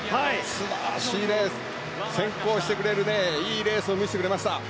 素晴らしい、先行してくれるいいレースを見せてくれました。